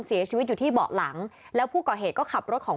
เสียชีวิตอยู่ที่เบาะหลังแล้วผู้ก่อเหตุก็ขับรถของ